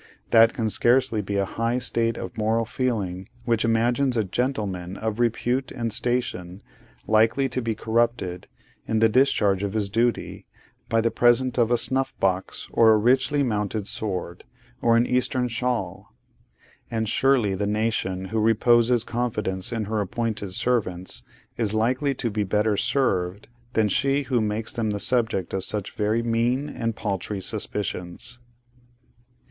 That can scarcely be a high state of moral feeling which imagines a gentleman of repute and station, likely to be corrupted, in the discharge of his duty, by the present of a snuff box, or a richly mounted sword, or an Eastern shawl; and surely the Nation who reposes confidence in her appointed servants, is likely to be better served, than she who makes them the subject of such very mean and paltry suspicions.